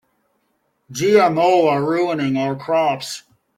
GMO are ruining our crops.